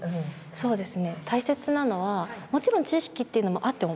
そうですね。